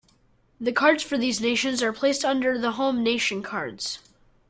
The cards for these nations are placed under the home nation cards.